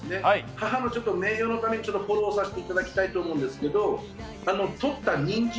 母の名誉のためにフォローさせていただきたいと思うんですけど。